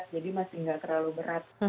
jadi masih gak terlalu berat